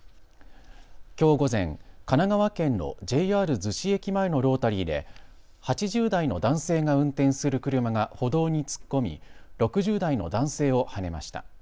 きょう午前、神奈川県のＪＲ逗子駅前のロータリーで８０代の男性が運転する車が歩道に突っ込み６０代の男性をはねました。